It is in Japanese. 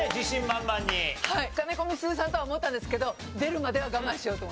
金子みすゞさんとは思ったんですけど出るまでは我慢しようと思って。